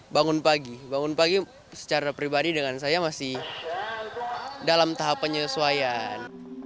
bangun pagi bangun pagi secara pribadi dengan saya masih dalam tahap penyesuaian